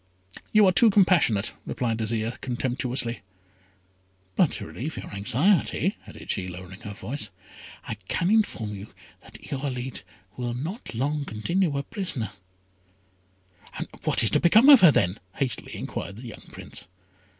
"You are too compassionate," replied Azire, contemptuously; "but to relieve your anxiety," added she, lowering her voice, "I can inform you that Irolite will not long continue a prisoner." "And what is to become of her, then?" hastily inquired the young Prince.